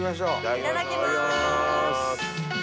いただきます！